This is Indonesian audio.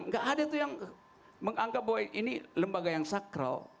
tidak ada yang menganggap bahwa ini lembaga yang sakral